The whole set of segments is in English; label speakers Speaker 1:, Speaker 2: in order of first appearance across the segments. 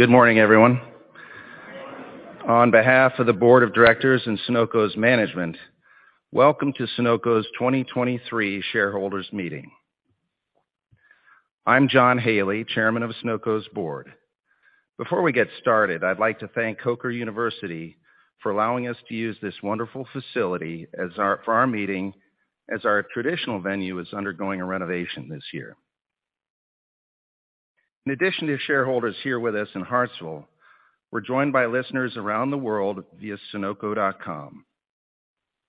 Speaker 1: Good morning, everyone.
Speaker 2: Good morning.
Speaker 1: On behalf of the Board of Directors and Sonoco's Management, welcome to Sonoco's 2023 Shareholders Meeting. I'm John Haley, Chairman of Sonoco's Board. Before we get started, I'd like to thank Coker University for allowing us to use this wonderful facility for our meeting as our traditional venue is undergoing a renovation this year. In addition to shareholders here with us in Hartsville, we're joined by listeners around the world via sonoco.com.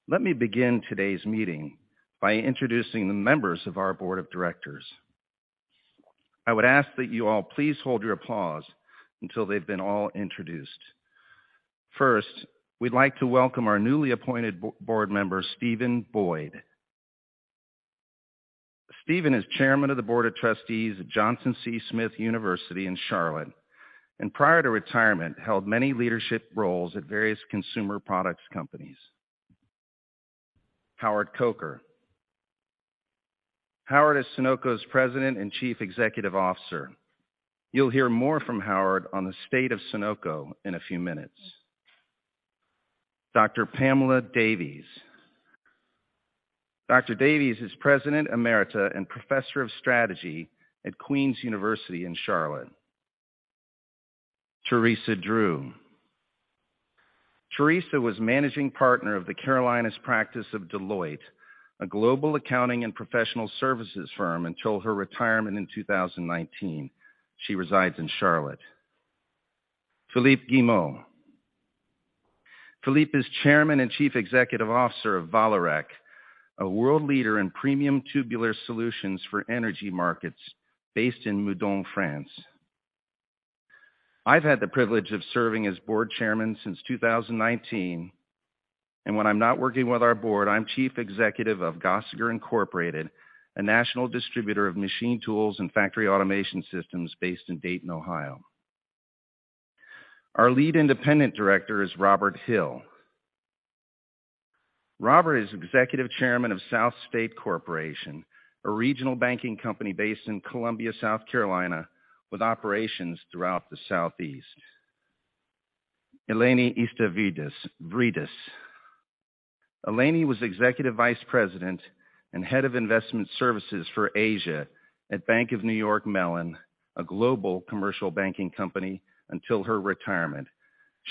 Speaker 1: Let me begin today's meeting by introducing the members of our board of directors. I would ask that you all please hold your applause until they've been all introduced. First, we'd like to welcome our newly appointed board member, Steven Boyd. Steven is Chairman of the Board of Trustees at Johnson C. Smith University in Charlotte. Prior to retirement, held many leadership roles at various consumer products companies. Howard Coker. Howard is Sonoco's President and Chief Executive Officer. You'll hear more from Howard on the state of Sonoco in a few minutes. Dr. Pamela Davies. Dr. Davies is President Emerita and Professor of Strategy at Queens University of Charlotte. Teresa Drew. Teresa was Managing Partner of the Carolinas practice of Deloitte, a global accounting and professional services firm, until her retirement in 2019. She resides in Charlotte. Philippe Guillemot. Philippe is Chairman and Chief Executive Officer of Vallourec, a world leader in premium tubular solutions for energy markets based in Meudon, France. I've had the privilege of serving as Board Chairman since 2019, and when I'm not working with our board, I'm Chief Executive of Gosiger Incorporated, a national distributor of machine tools and factory automation systems based in Dayton, Ohio. Our lead independent director is Robert Hill. Robert is Executive Chairman of South State Corporation, a regional banking company based in Columbia, South Carolina, with operations throughout the Southeast. Eleni Istavridis. Eleni was Executive Vice President and Head of Investment Services for Asia at Bank of New York Mellon, a global commercial banking company, until her retirement.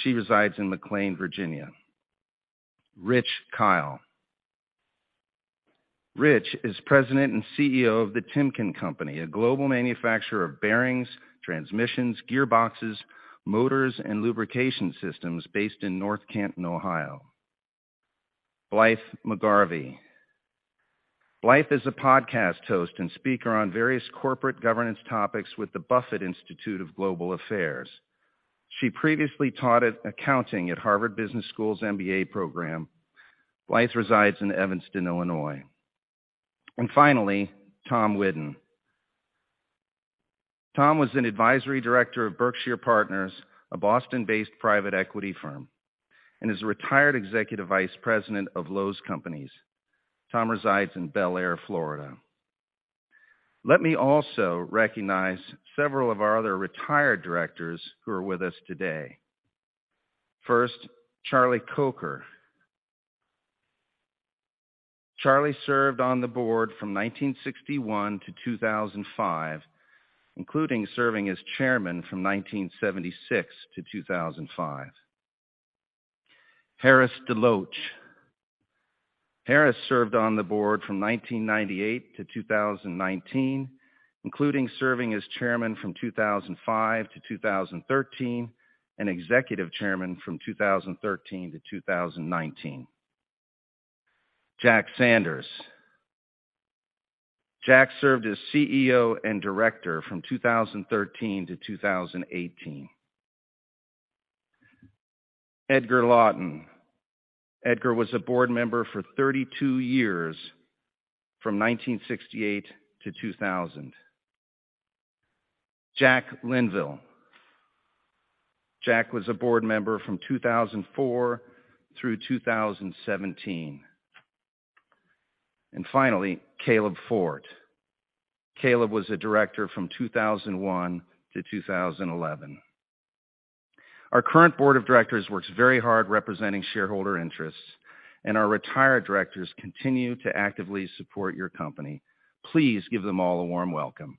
Speaker 1: She resides in McLean, Virginia. Rich Kyle. Rich is President and CEO of The Timken Company, a global manufacturer of bearings, transmissions, gearboxes, motors, and lubrication systems based in North Canton, Ohio. Blythe McGarvie. Blythe is a podcast host and speaker on various corporate governance topics with the Buffett Institute of Global Affairs. She previously taught at accounting at Harvard Business School's MBA program. Blythe resides in Evanston, Illinois. Finally, Tom Whiddon. Tom was an Advisory Director of Berkshire Partners, a Boston-based private equity firm, and is retired Executive Vice President of Lowe's Companies. Tom resides in Belleair, Florida. Let me also recognize several of our other retired directors who are with us today. First, Charlie Coker. Charlie served on the board from 1961 to 2005, including serving as chairman from 1976 to 2005. Harris DeLoach. Harris served on the board from 1998 to 2019, including serving as chairman from 2005 to 2013, and executive chairman from 2013 to 2019. Jack Sanders. Jack served as CEO and director from 2013 to 2018. Edgar Lawton. Edgar was a board member for 32 years, from 1968 to 2000. Jack Linville. Jack was a board member from 2004 through 2017. Finally, Caleb Fort. Caleb was a director from 2001 to 2011. Our current board of directors works very hard representing shareholder interests, and our retired directors continue to actively support your company. Please give them all a warm welcome.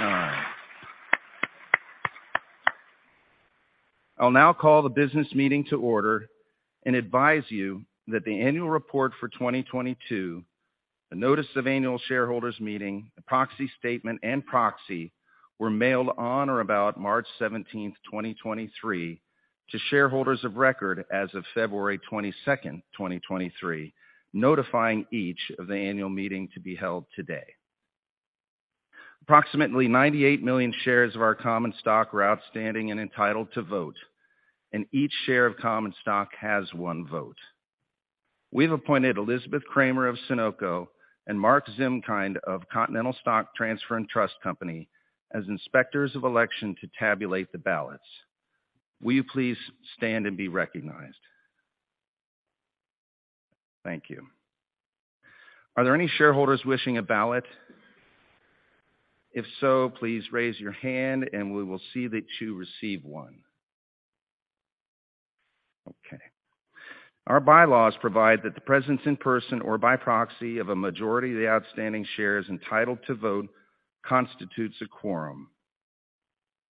Speaker 1: All right. I'll now call the business meeting to order and advise you that the annual report for 2022, the notice of annual shareholders meeting, the proxy statement, and proxy were mailed on or about March 17th, 2023 to shareholders of record as of February 22nd, 2023, notifying each of the annual meeting to be held today. Approximately 98 million shares of our common stock were outstanding and entitled to vote, and each share of common stock has one vote. We've appointed Elizabeth Kramer of Sonoco and Mark Zimkind of Continental Stock Transfer and Trust Company as inspectors of election to tabulate the ballots. Will you please stand and be recognized? Thank you. Are there any shareholders wishing a ballot? If so, please raise your hand, and we will see that you receive one. Okay. Our bylaws provide that the presence in person or by proxy of a majority of the outstanding shares entitled to vote constitutes a quorum.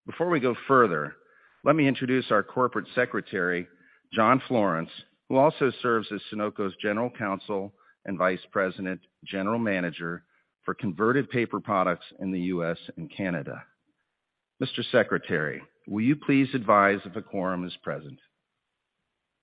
Speaker 1: Before we go further, let me introduce our Corporate Secretary, John Florence, who also serves as Sonoco's General Counsel and Vice President, General Manager for converted paper products in the U.S. and Canada. Mr. Secretary, will you please advise if a quorum is present?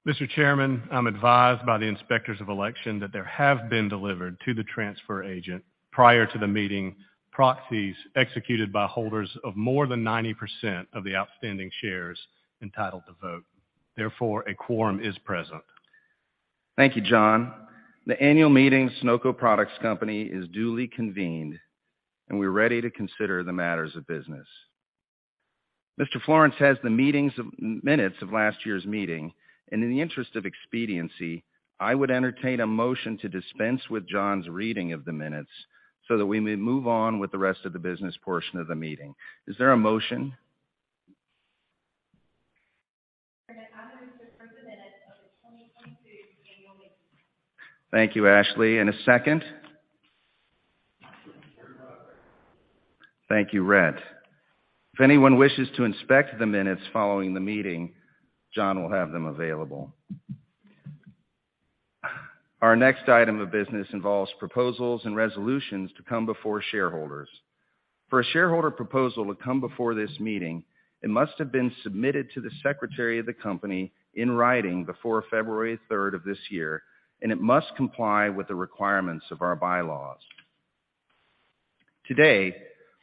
Speaker 3: Mr. Chairman, I'm advised by the inspectors of election that there have been delivered to the transfer agent prior to the meeting proxies executed by holders of more than 90% of the outstanding shares entitled to vote. Therefore, a quorum is present.
Speaker 1: Thank you, John. The annual meeting Sonoco Products Company is duly convened, and we're ready to consider the matters of business. Mr. Florence has the minutes of last year's meeting. In the interest of expediency, I would entertain a motion to dispense with John's reading of the minutes so that we may move on with the rest of the business portion of the meeting. Is there a motion?
Speaker 4: Mr. Chairman, I move to approve the minutes of the 2022 annual meeting.
Speaker 1: Thank you, Ashley. A second?
Speaker 4: I second.
Speaker 1: Thank you, Rhett. If anyone wishes to inspect the minutes following the meeting, John will have them available. Our next item of business involves proposals and resolutions to come before shareholders. For a shareholder proposal to come before this meeting, it must have been submitted to the secretary of the company in writing before February third of this year. It must comply with the requirements of our bylaws. Today,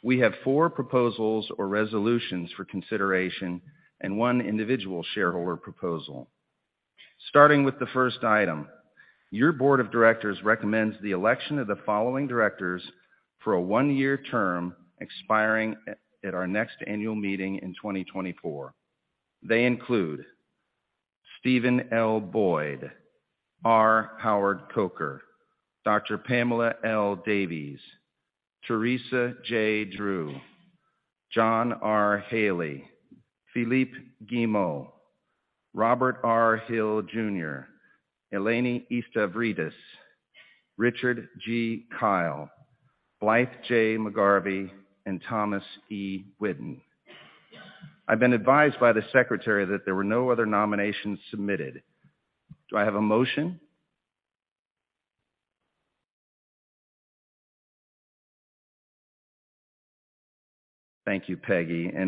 Speaker 1: we have four proposals or resolutions for consideration and one individual shareholder proposal. Starting with the first item, your board of directors recommends the election of the following directors for a one-year term expiring at our next annual meeting in 2024. They include Steven L. Boyd, R. Howard Coker, Dr. Pamela L. Davies, Teresa J. Drew, John R. Haley, Philippe Guillemot, Robert R. Hill, Jr., Eleni Istavridis, Richard G. Kyle, Blythe J. McGarvie, and Thomas E. Whiddon. I've been advised by the secretary that there were no other nominations submitted. Do I have a motion? Thank you, Peggy. A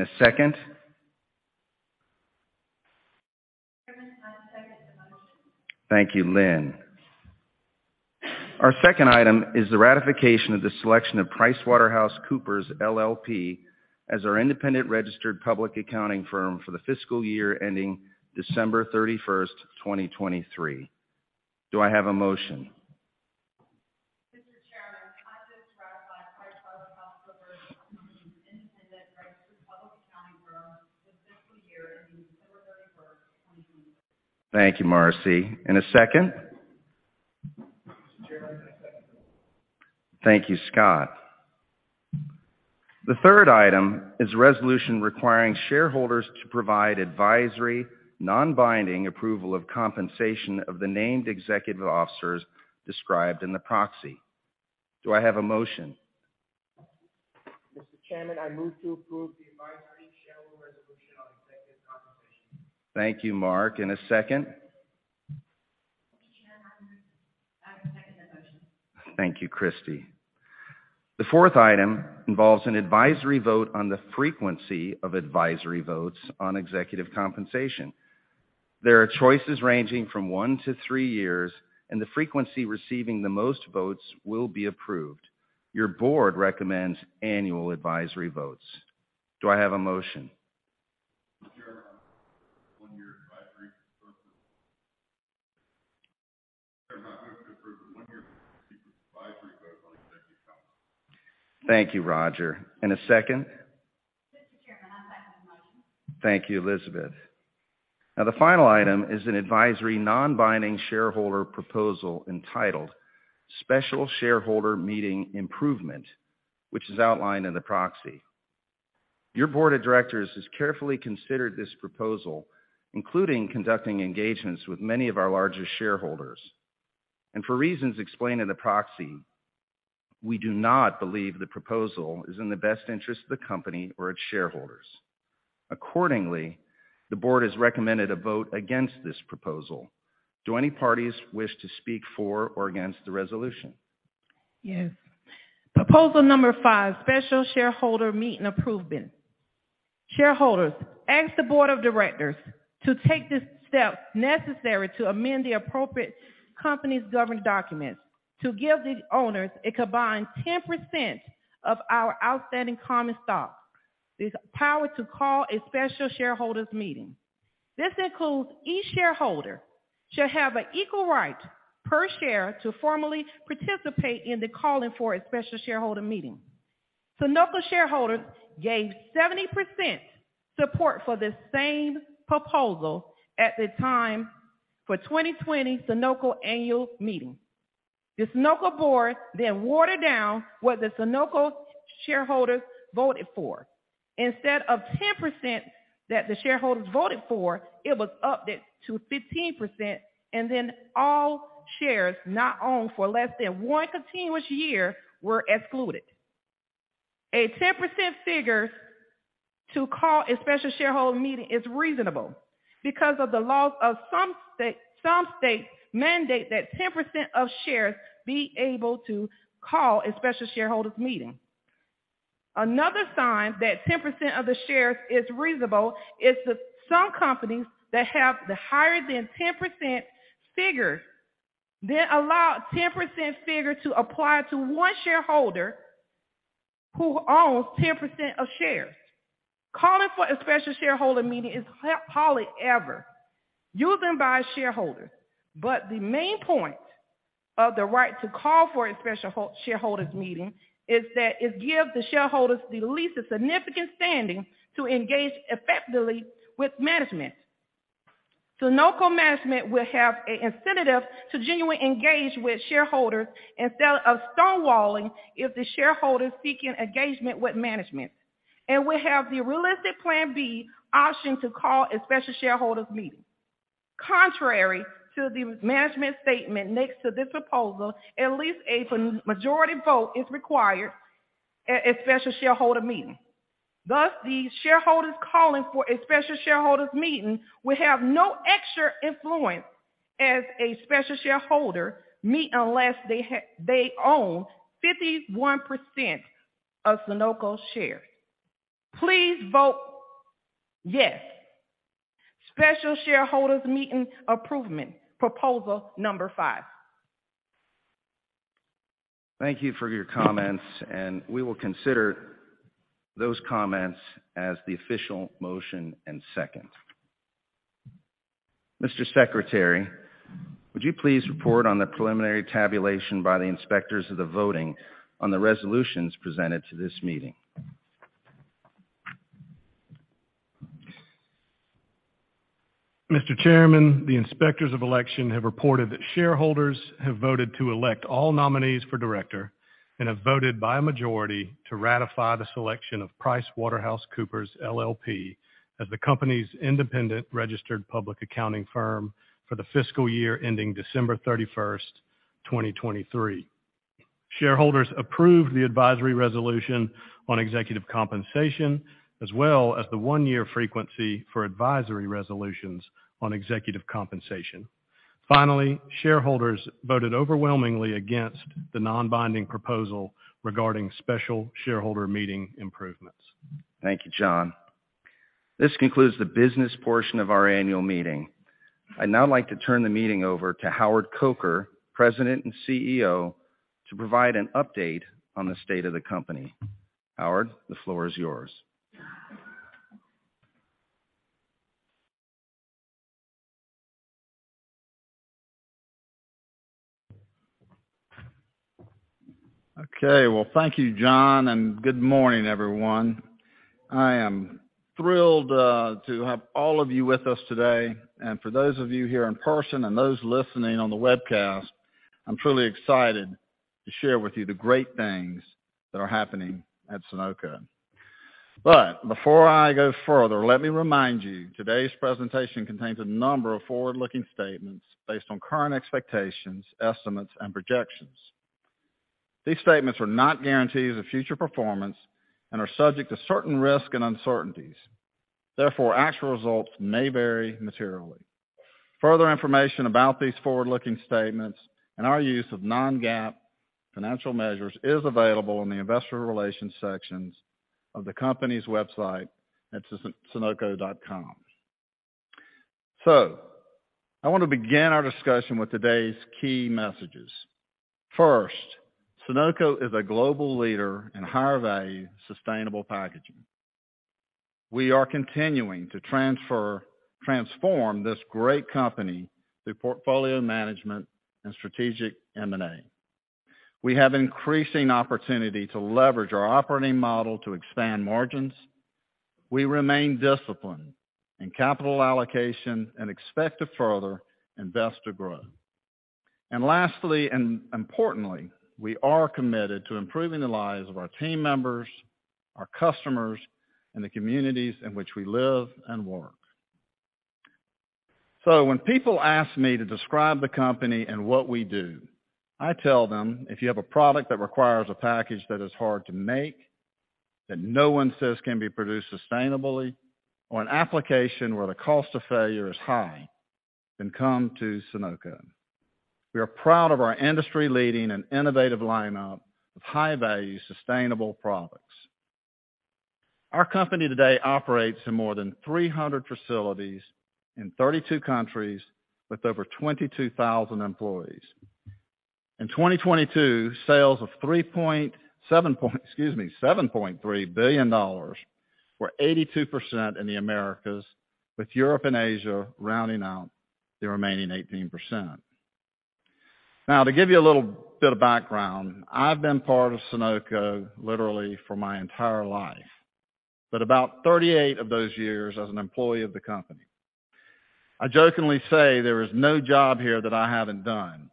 Speaker 1: second?
Speaker 4: Mr. Chairman, I second the motion.
Speaker 1: Thank you, Lynn. Our second item is the ratification of the selection of PricewaterhouseCoopers LLP as our independent registered public accounting firm for the fiscal year ending December 31st, 2023. Do I have a motion?
Speaker 4: Mr. Chairman, I move to ratify PricewaterhouseCoopers as the independent registered public accounting firm for the fiscal year ending December 31st, 2023.
Speaker 1: Thank you, Marcy. A second?
Speaker 4: Mr. Chairman, I second.
Speaker 1: Thank you, Scott. The third item is a resolution requiring shareholders to provide advisory, non-binding approval of compensation of the named executive officers described in the proxy. Do I have a motion?
Speaker 4: Mr. Chairman, I move to approve the advisory shareholder resolution on executive compensation.
Speaker 1: Thank you, Mark. A second?
Speaker 4: Mr. Chairman, I second that motion.
Speaker 1: Thank you, Christie. The fourth item involves an advisory vote on the frequency of advisory votes on executive compensation. There are choices ranging from one to three years, and the frequency receiving the most votes will be approved. Your board recommends annual advisory votes. Do I have a motion?
Speaker 4: Mr. Chairman, one-year advisory I move to approve the one-year advisory vote on executive compensation.
Speaker 1: Thank you, Roger. A second?
Speaker 4: Mr. Chairman, I second the motion.
Speaker 1: Thank you, Elizabeth. Now, the final item is an advisory, non-binding shareholder proposal entitled Special Shareholder Meeting Improvement, which is outlined in the proxy. Your board of directors has carefully considered this proposal, including conducting engagements with many of our largest shareholders. For reasons explained in the proxy, we do not believe the proposal is in the best interest of the company or its shareholders. Accordingly, the board has recommended a vote against this proposal. Do any parties wish to speak for or against the resolution?
Speaker 4: Yes. Proposal number five, special shareholder meeting improvement. Shareholders, ask the board of directors to take the steps necessary to amend the appropriate company's governing documents to give the owners a combined 10% of our outstanding common stock. This power to call a special shareholders meeting. This includes each shareholder shall have an equal right per share to formally participate in the calling for a special shareholder meeting. Sonoco shareholders gave 70% support for the same proposal at the time for 2020 Sonoco Annual Meeting. The Sonoco board watered down what the Sonoco shareholders voted for. Instead of 10% that the shareholders voted for, it was upped it to 15%, and then all shares not owned for less than one continuous year were excluded. A 10% figure to call a special shareholder meeting is reasonable because of the laws of some states mandate that 10% of shares be able to call a special shareholders meeting. Another sign that 10% of the shares is reasonable is that some companies that have the higher than 10% figure then allow 10% figure to apply to one shareholder who owns 10% of shares. Calling for a special shareholder meeting is hardly ever used by a shareholder, but the main point of the right to call for a special shareholders meeting is that it gives the shareholders the least significant standing to engage effectively with management. Sonoco management will have an incentive to genuinely engage with shareholders instead of stonewalling if the shareholders seeking engagement with management, and will have the realistic Plan B option to call a special shareholders meeting. Contrary to the management statement next to this proposal, at least a majority vote is required a special shareholder meeting. Thus, the shareholders calling for a special shareholders meeting will have no extra influence as a special shareholder meet unless they own 51% of Sonoco shares. Please vote yes. Special shareholders meeting improvement, proposal number five.
Speaker 1: Thank you for your comments. We will consider those comments as the official motion and second. Mr. Secretary, would you please report on the preliminary tabulation by the inspectors of the voting on the resolutions presented to this meeting?
Speaker 3: Mr. Chairman, the inspectors of election have reported that shareholders have voted to elect all nominees for director and have voted by a majority to ratify the selection of PricewaterhouseCoopers LLP as the company's independent registered public accounting firm for the fiscal year ending December 31st, 2023. Shareholders approved the advisory resolution on executive compensation, as well as the one-year frequency for advisory resolutions on executive compensation. Finally, shareholders voted overwhelmingly against the non-binding proposal regarding special shareholder meeting improvements.
Speaker 1: Thank you, John. This concludes the business portion of our annual meeting. I'd now like to turn the meeting over to Howard Coker, President and CEO, to provide an update on the state of the company. Howard, the floor is yours.
Speaker 5: Okay. Well, thank you, John. Good morning, everyone. I am thrilled to have all of you with us today. For those of you here in person and those listening on the webcast, I'm truly excited to share with you the great things that are happening at Sonoco. Before I go further, let me remind you, today's presentation contains a number of forward-looking statements based on current expectations, estimates, and projections. These statements are not guarantees of future performance and are subject to certain risks and uncertainties. Therefore, actual results may vary materially. Further information about these forward-looking statements and our use of non-GAAP financial measures is available in the investor relations sections of the company's website at sonoco.com. I wanna begin our discussion with today's key messages. First, Sonoco is a global leader in higher value, sustainable packaging. We are continuing to transform this great company through portfolio management and strategic M&A. We have increasing opportunity to leverage our operating model to expand margins. We remain disciplined in capital allocation and expect to further invest to grow. Lastly, and importantly, we are committed to improving the lives of our team members, our customers, and the communities in which we live and work. When people ask me to describe the company and what we do, I tell them, "If you have a product that requires a package that is hard to make, that no one says can be produced sustainably or an application where the cost of failure is high, then come to Sonoco." We are proud of our industry-leading and innovative lineup of high-value, sustainable products. Our company today operates in more than 300 facilities in 32 countries with over 22,000 employees. In 2022, sales of $7.3 billion were 82% in the Americas, with Europe and Asia rounding out the remaining 18%. To give you a little bit of background, I've been part of Sonoco literally for my entire life, but about 38 of those years as an employee of the company. I jokingly say there is no job here that I haven't done.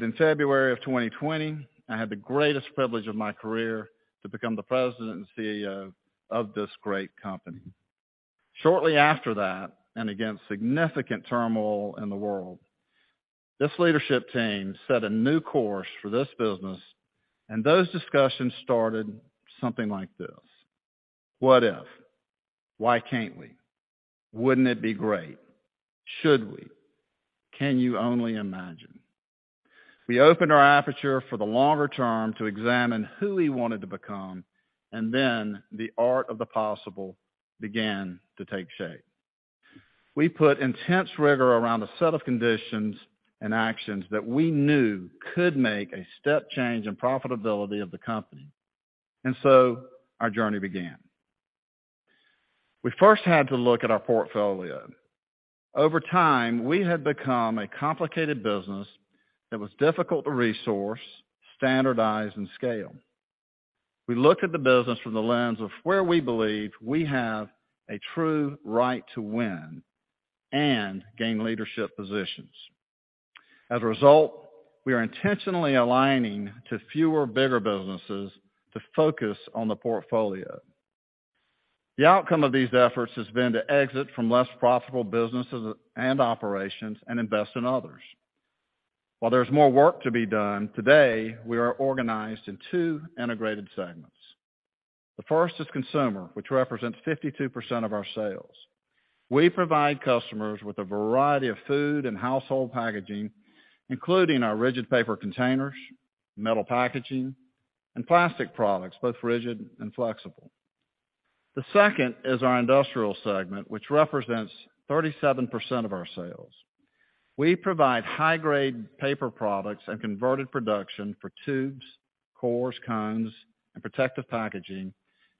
Speaker 5: In February of 2020, I had the greatest privilege of my career to become the President and CEO of this great company. Shortly after that, and against significant turmoil in the world, this leadership team set a new course for this business, and those discussions started something like this: What if? Why can't we? Wouldn't it be great? Should we? Can you only imagine? We opened our aperture for the longer term to examine who we wanted to become. The art of the possible began to take shape. We put intense rigor around a set of conditions and actions that we knew could make a step change in profitability of the company. Our journey began. We first had to look at our portfolio. Over time, we had become a complicated business that was difficult to resource, standardize, and scale. We looked at the business from the lens of where we believe we have a true right to win and gain leadership positions. As a result, we are intentionally aligning to fewer, bigger businesses to focus on the portfolio. The outcome of these efforts has been to exit from less profitable businesses and operations and invest in others. While there's more work to be done, today, we are organized in two integrated segments. The first is consumer, which represents 52% of our sales. We provide customers with a variety of food and household packaging, including our rigid paper containers, metal packaging, and plastic products, both rigid and flexible. The second is our industrial segment, which represents 37% of our sales. We provide high-grade paper products and converted production for tubes, cores, cones, and protective packaging,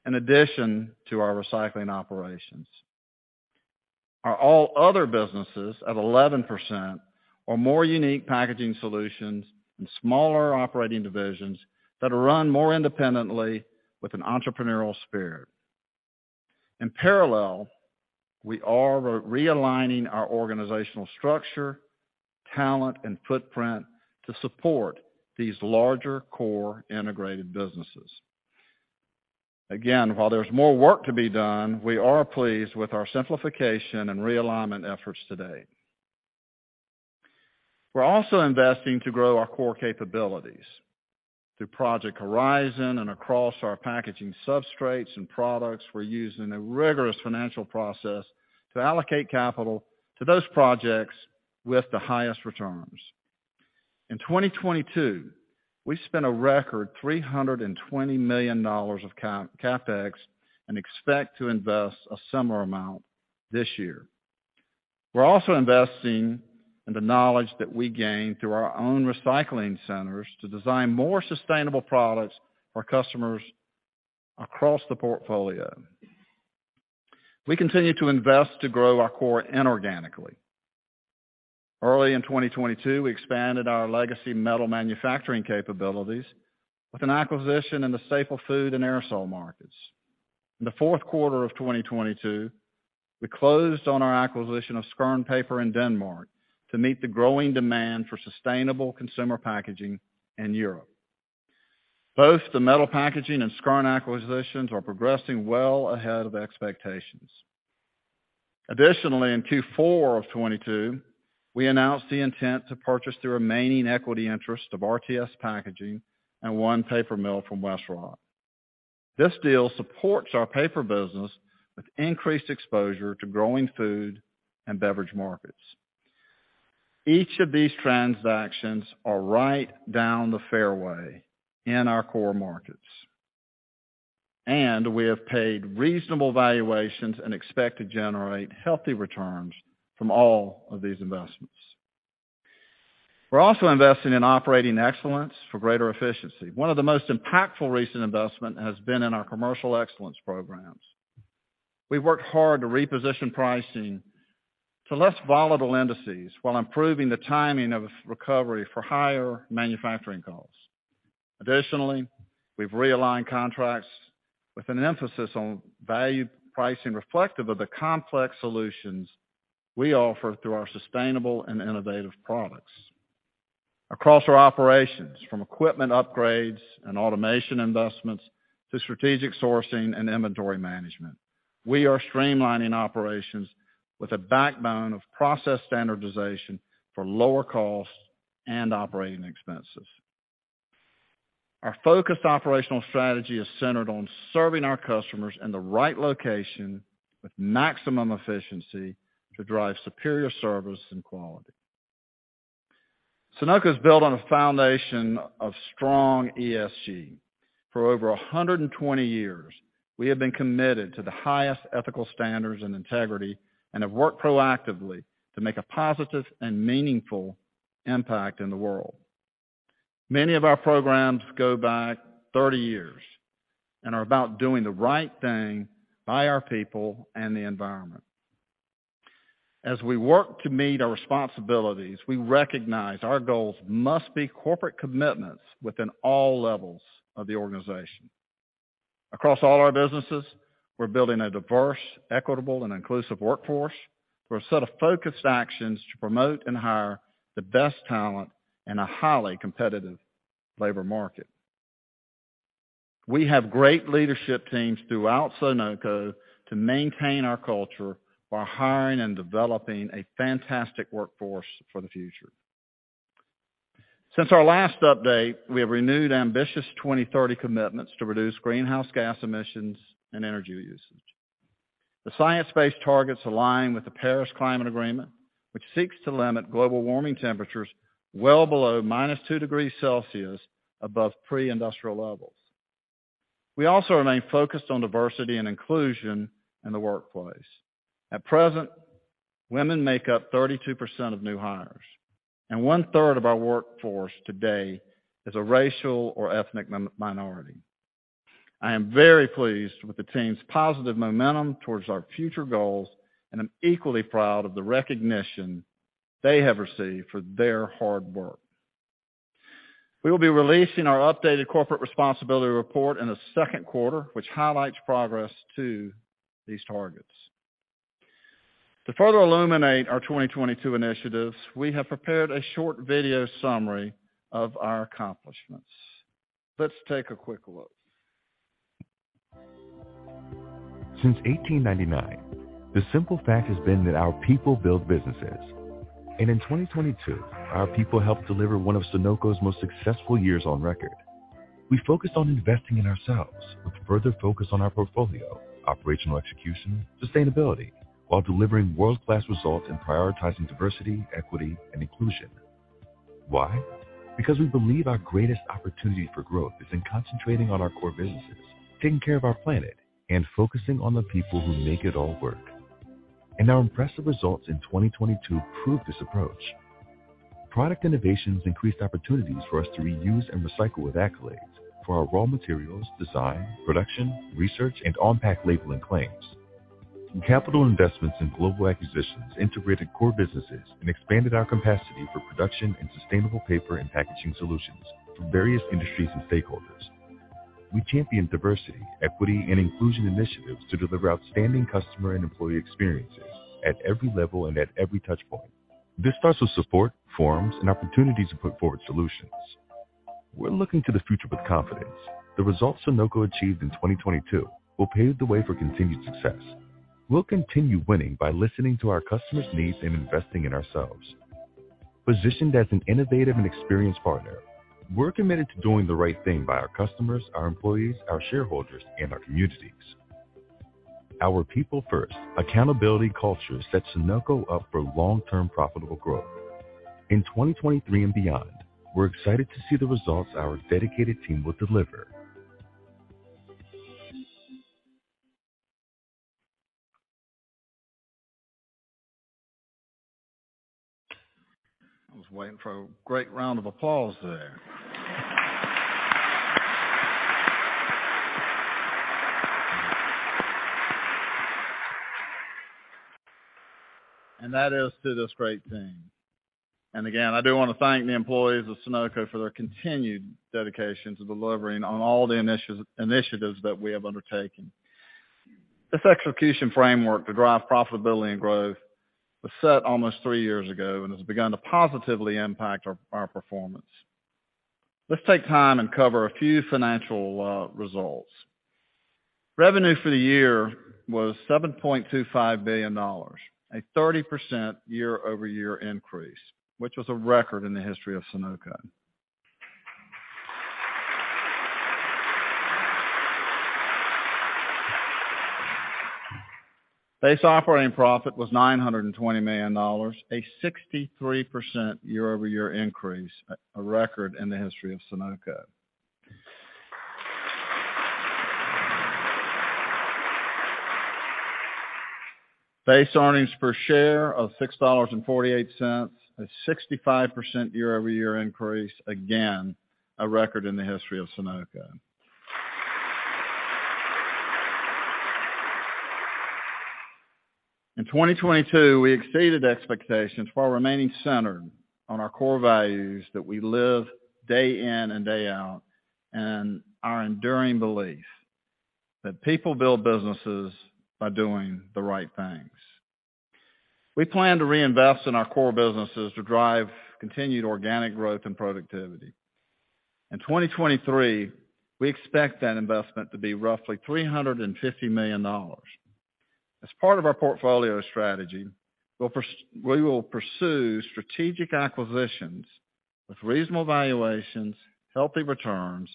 Speaker 5: in addition to our recycling operations. Our all other businesses at 11% are more unique packaging solutions and smaller operating divisions that are run more independently with an entrepreneurial spirit. In parallel, we are realigning our organizational structure, talent, and footprint to support these larger core integrated businesses. Again, while there's more work to be done, we are pleased with our simplification and realignment efforts to date. We're also investing to grow our core capabilities. Through Project Horizon and across our packaging substrates and products, we're using a rigorous financial process to allocate capital to those projects with the highest returns. In 2022, we spent a record $320 million of CapEx and expect to invest a similar amount this year. We're also investing in the knowledge that we gain through our own recycling centers to design more sustainable products for customers across the portfolio. We continue to invest to grow our core inorganically. Early in 2022, we expanded our legacy metal manufacturing capabilities with an acquisition in the staple food and aerosol markets. In the fourth quarter of 2022, we closed on our acquisition of Skjern Paper in Denmark to meet the growing demand for sustainable consumer packaging in Europe. Both the metal packaging and Skjern acquisitions are progressing well ahead of expectations. Additionally, in Q4 of 2022, we announced the intent to purchase the remaining equity interest of RTS Packaging and one paper mill from WestRock. This deal supports our paper business with increased exposure to growing food and beverage markets. Each of these transactions are right down the fairway in our core markets, and we have paid reasonable valuations and expect to generate healthy returns from all of these investments. We're also investing in operating excellence for greater efficiency. One of the most impactful recent investment has been in our commercial excellence programs. We've worked hard to reposition pricing to less volatile indices while improving the timing of recovery for higher manufacturing costs. Additionally, we've realigned contracts with an emphasis on value pricing reflective of the complex solutions we offer through our sustainable and innovative products. Across our operations, from equipment upgrades and automation investments to strategic sourcing and inventory management, we are streamlining operations with a backbone of process standardization for lower costs and operating expenses. Our focused operational strategy is centered on serving our customers in the right location with maximum efficiency to drive superior service and quality. Sonoco is built on a foundation of strong ESG. For over 120 years, we have been committed to the highest ethical standards and integrity and have worked proactively to make a positive and meaningful impact in the world. Many of our programs go back 30 years and are about doing the right thing by our people and the environment. As we work to meet our responsibilities, we recognize our goals must be corporate commitments within all levels of the organization. Across all our businesses, we're building a diverse, equitable, and inclusive workforce through a set of focused actions to promote and hire the best talent in a highly competitive labor market. We have great leadership teams throughout Sonoco to maintain our culture while hiring and developing a fantastic workforce for the future. Since our last update, we have renewed ambitious 2030 commitments to reduce greenhouse gas emissions and energy usage. The science-based targets align with the Paris Climate Agreement, which seeks to limit global warming temperatures well below -2 degrees Celsius above pre-industrial levels. We also remain focused on diversity and inclusion in the workplace. At present, women make up 32% of new hires, and one-third of our workforce today is a racial or ethnic minority. I am very pleased with the team's positive momentum towards our future goals, and I'm equally proud of the recognition they have received for their hard work. We will be releasing our updated corporate responsibility report in the second quarter, which highlights progress to these targets. To further illuminate our 2022 initiatives, we have prepared a short video summary of our accomplishments. Let's take a quick look.
Speaker 6: Since 1899, the simple fact has been that our people build businesses. In 2022, our people helped deliver one of Sonoco's most successful years on record. We focused on investing in ourselves with further focus on our portfolio, operational execution, sustainability, while delivering world-class results and prioritizing diversity, equity and inclusion. Why? Because we believe our greatest opportunity for growth is in concentrating on our core businesses, taking care of our planet, and focusing on the people who make it all work. Our impressive results in 2022 proved this approach. Product innovations increased opportunities for us to reuse and recycle with accolades for our raw materials, design, production, research, and on-pack labeling claims. Capital investments in global acquisitions integrated core businesses and expanded our capacity for production and sustainable paper and packaging solutions to various industries and stakeholders. We championed diversity, equity, and inclusion initiatives to deliver outstanding customer and employee experiences at every level and at every touch point. This starts with support, forums, and opportunities to put forward solutions. We're looking to the future with confidence. The results Sonoco achieved in 2022 will pave the way for continued success. We'll continue winning by listening to our customers' needs and investing in ourselves. Positioned as an innovative and experienced partner, we're committed to doing the right thing by our customers, our employees, our shareholders, and our communities. Our people-first accountability culture sets Sonoco up for long-term profitable growth. In 2023 and beyond, we're excited to see the results our dedicated team will deliver.
Speaker 5: I was waiting for a great round of applause there. That is to this great team. Again, I do want to thank the employees of Sonoco for their continued dedication to delivering on all the initiatives that we have undertaken. This execution framework to drive profitability and growth was set almost three years ago and has begun to positively impact our performance. Let's take time and cover a few financial results. Revenue for the year was $7.25 billion, a 30% YoY increase, which was a record in the history of Sonoco. Base operating profit was $920 million, a 63% YoY increase, a record in the history of Sonoco. Base earnings per share of $6.48, a 65% YoY increase, again, a record in the history of Sonoco. In 2022, we exceeded expectations while remaining centered on our core values that we live day in and day out, and our enduring belief that people build businesses by doing the right things. We plan to reinvest in our core businesses to drive continued organic growth and productivity. In 2023, we expect that investment to be roughly $350 million. As part of our portfolio strategy, we will pursue strategic acquisitions with reasonable valuations, healthy returns.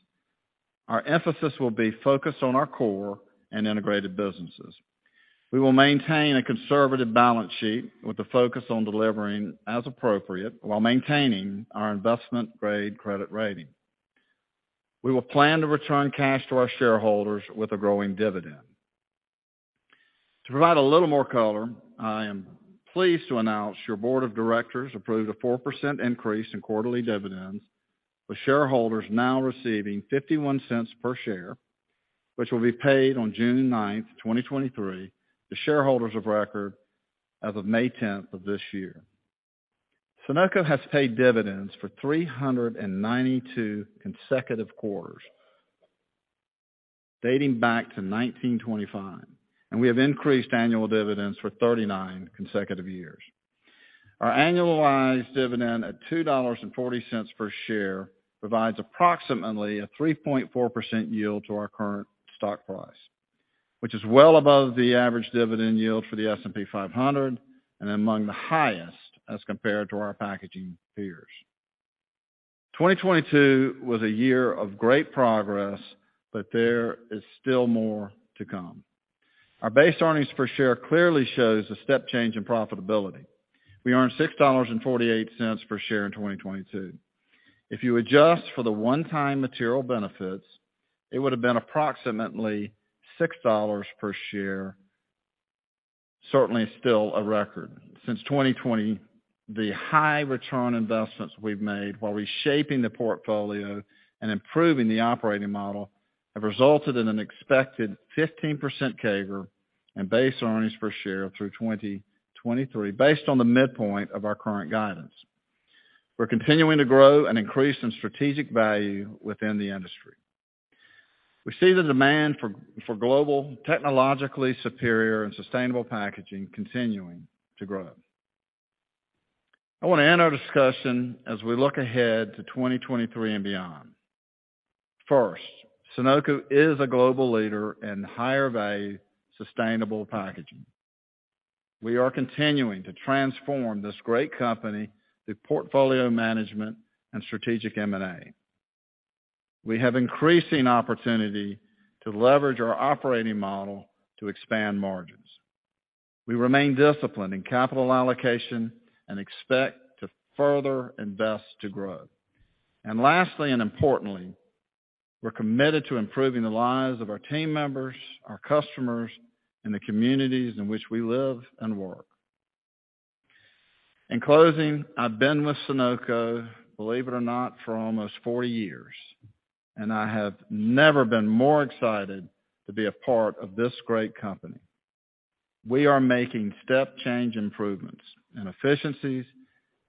Speaker 5: Our emphasis will be focused on our core and integrated businesses. We will maintain a conservative balance sheet with a focus on delivering as appropriate while maintaining our investment-grade credit rating. We will plan to return cash to our shareholders with a growing dividend. To provide a little more color, I am pleased to announce your board of directors approved a 4% increase in quarterly dividends, with shareholders now receiving $0.51 per share. Which will be paid on June 9th, 2023, to shareholders of record as of May 10th of this year. Sonoco has paid dividends for 392 consecutive quarters, dating back to 1925, and we have increased annual dividends for 39 consecutive years. Our annualized dividend at $2.40 per share provides approximately a 3.4% yield to our current stock price, which is well above the average dividend yield for the S&P 500 and among the highest as compared to our packaging peers. 2022 was a year of great progress, there is still more to come. Our base earnings per share clearly shows a step change in profitability. We earned $6.48 per share in 2022. If you adjust for the one-time material benefits, it would have been approximately $6 per share, certainly still a record. Since 2020, the high return investments we've made while reshaping the portfolio and improving the operating model have resulted in an expected 15% CAGR and base earnings per share through 2023, based on the midpoint of our current guidance. We're continuing to grow and increase in strategic value within the industry. We see the demand for global, technologically superior and sustainable packaging continuing to grow. I wanna end our discussion as we look ahead to 2023 and beyond. First, Sonoco is a global leader in higher value, sustainable packaging. We are continuing to transform this great company through portfolio management and strategic M&A. We have increasing opportunity to leverage our operating model to expand margins. We remain disciplined in capital allocation and expect to further invest to grow. Lastly and importantly, we're committed to improving the lives of our team members, our customers, and the communities in which we live and work. In closing, I've been with Sonoco, believe it or not, for almost 40 years, and I have never been more excited to be a part of this great company. We are making step change improvements in efficiencies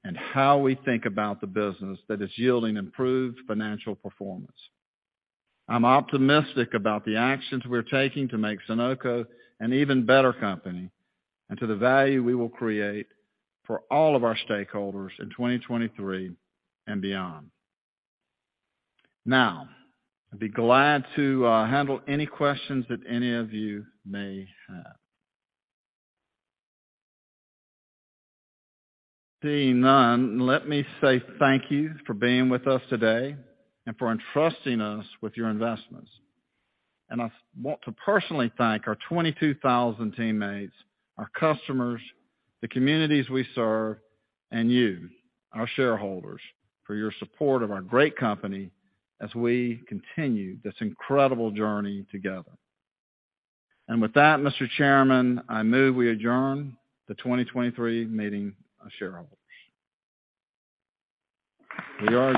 Speaker 5: and how we think about the business that is yielding improved financial performance. I'm optimistic about the actions we're taking to make Sonoco an even better company, and to the value we will create for all of our stakeholders in 2023 and beyond. Now, I'd be glad to handle any questions that any of you may have. Seeing none, let me say thank you for being with us today and for entrusting us with your investments. I want to personally thank our 22,000 teammates, our customers, the communities we serve, and you, our shareholders, for your support of our great company as we continue this incredible journey together. With that, Mr. Chairman, I move we adjourn the 2023 meeting of shareholders. We are adjourned.